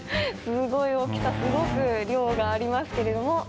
すごい大きさすごく量がありますけれども。